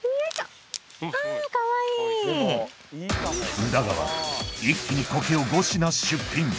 宇田川一気にコケを５品出品